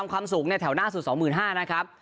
ส่วนความสูงแถวหน้าสุดสองหมื่นห้านะครับ